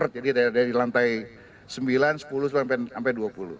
jadi dari lantai sembilan sepuluh sampai dua puluh